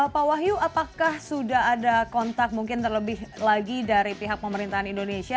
pak wahyu apakah sudah ada kontak mungkin terlebih lagi dari pihak pemerintahan indonesia